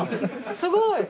すごい。